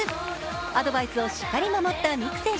アドバイスをしっかり守った美空選手。